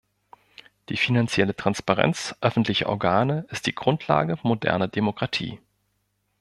Die finanzielle Transparenz öffentlicher Organe ist die Grundlage moderner Demokratie.